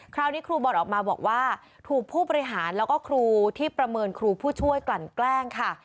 ครูบอลออกมาบอกว่าถูกผู้บริหารแล้วก็ครูที่ประเมินครูผู้ช่วยกลั่นแกล้งค่ะ